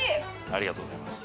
ありがとうございます。